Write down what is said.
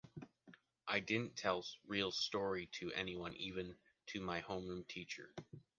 I didn’t tell real story to anyone, even to my homeroom teacher.